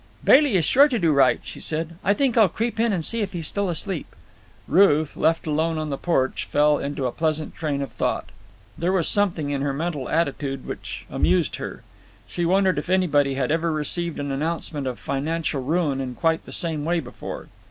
"Bailey is sure to do right," she said. "I think I'll creep in and see if he's still asleep." Ruth, left alone on the porch, fell into a pleasant train of thought. There was something in her mental attitude which amused her. She wondered if anybody had ever received the announcement of financial ruin in quite the same way before.